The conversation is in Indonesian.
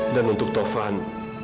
dan untuk taufan